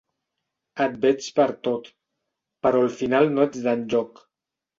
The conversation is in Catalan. Et veig pertot però al final no ets enlloc.